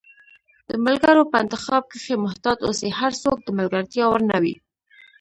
د ملګرو په انتخاب کښي محتاط اوسی، هرڅوک د ملګرتیا وړ نه وي